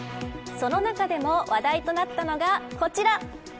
その中でも話題となったのがこちら。